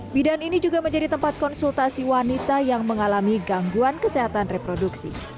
bidan ini juga menjadi tempat konsultasi wanita yang mengalami gangguan kesehatan reproduksi